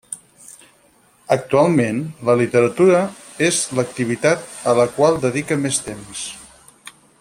Actualment, la literatura és l'activitat a la qual dedica més temps.